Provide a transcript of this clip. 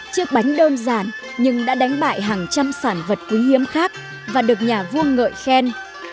chiếc bánh đơn giản nhưng đã đánh bại hàng trăm sản vật quý hiếm khác và được nhà vua ngợi khen